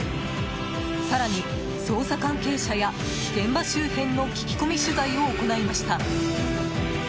更に、捜査関係者や現場周辺の聞き込み取材を行いました。